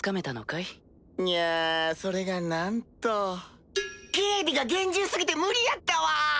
いやそれがなんと警備が厳重過ぎて無理やったわ！